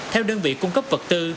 theo đơn vị cung cấp vật tư